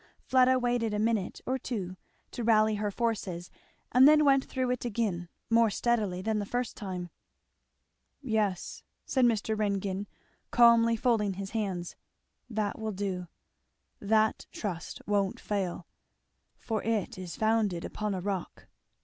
Fleda waited a minute or two to rally her forces, and then went through it again, more steadily than the first time. "Yes " said Mr. Ringgan calmly, folding his hands, "that will do! That trust won't fail, for it is founded upon a rock.